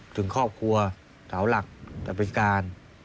ถึงครอบครัวเสาหลักแต่เป็นการ